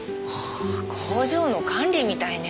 あ工場の管理みたいね。